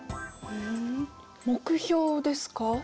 ん目標ですか？